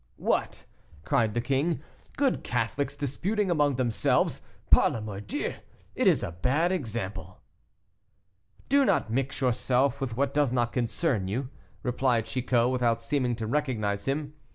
"What!" cried the king, "good Catholics disputing among themselves; par la mordieu, it is a bad example." "Do not mix yourself with what does not concern you," replied Chicot, without seeming to recognize him.